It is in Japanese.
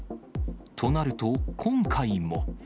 となると、今回も。